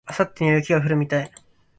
明後日は雪が降るみたい